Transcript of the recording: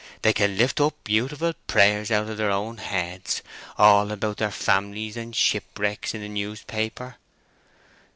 They can lift up beautiful prayers out of their own heads, all about their families and shipwrecks in the newspaper."